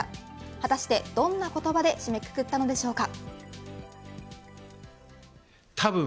果たしてどんな言葉で締めくくったんでしょうか。